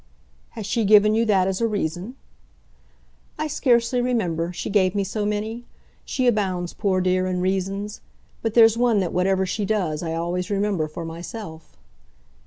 "Has she given you that as a reason?" "I scarcely remember she gave me so many. She abounds, poor dear, in reasons. But there's one that, whatever she does, I always remember for myself."